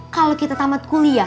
kalau kita tamat kuliah